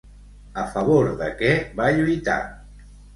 A favor de què va lluitar?